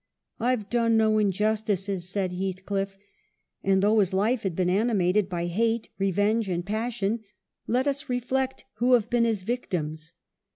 " I've done no injustices," said Heathcliff ; and though his life had been animated by hate, re venge, and passion, let us reflect who have been his victims.